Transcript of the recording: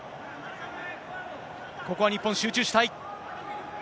ここは日本、集中したい。